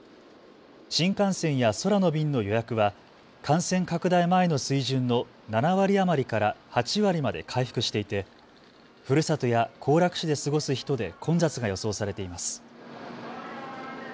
新幹線や空の便の予約は感染拡大前の水準の７割余りから８割まで回復していてふるさとや行楽地で過ごす人で混雑が予想されています。